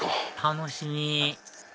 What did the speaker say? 楽しみ！